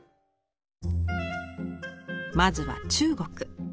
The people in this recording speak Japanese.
まずは中国。